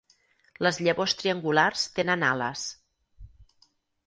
Les llavors triangulars tenen ales.